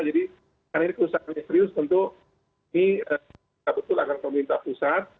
jadi karena ini perusahaannya serius tentu ini tidak betul akan pemerintah pusat